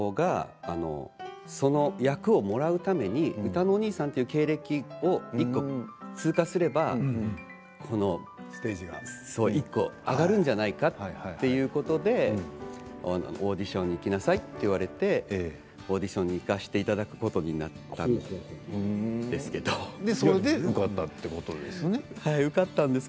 役をもらうためにうたのおにいさんという経歴を１個を通過すればステージが１個上がるんじゃないかということでオーディションに行きなさいと言われてオーディションに行かしてそれで受かったんですね。